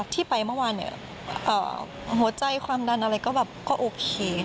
ที่ไปเมื่อวานหัวใจความดันอะไรก็แบบก็โอเค